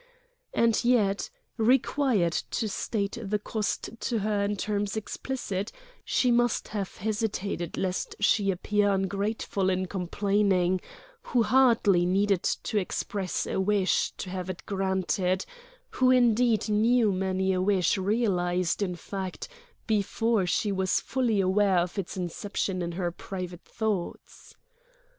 And yet, required to state the cost to her in terms explicit, she must have hesitated lest she appear ungrateful in complaining, who hardly needed to express a wish to have it granted, who indeed knew many a wish realized in fact before she was fully aware of its inception in her private thoughts.